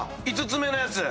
５つ目のやつ。